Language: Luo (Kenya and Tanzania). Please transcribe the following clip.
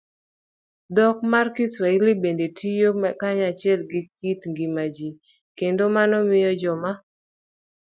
Dhok mar Kiswahili bende tiyo kanyachiel gi kit ngima ji, kendo mano miyo joma